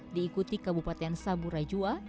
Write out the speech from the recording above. diikuti kabupaten samurai jua